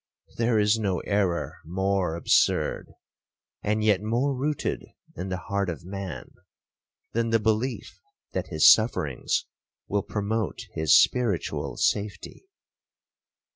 There is no error more absurd, and yet more rooted in the heart of man, than the belief that his sufferings will promote his spiritual safety.'